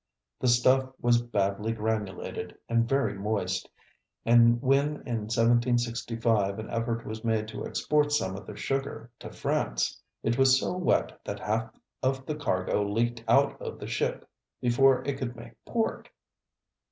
The stuff was badly granulated and very moist, and when in 1765 an effort was made to export some of the sugar to France, it was so wet that half of the cargo leaked out of the ship before it could make port.